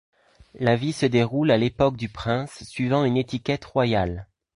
La vie s'y déroule à l'époque du prince suivant une étiquette royale.